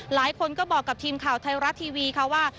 หลายคนก็บอกกับทีมข่าวไทยรัฐทีวีค่ะว่า